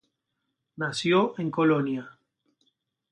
Nació en Colonia.